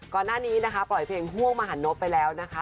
ก่อนหน้านี้นะคะปล่อยเพลงห่วงมหันนบไปแล้วนะคะ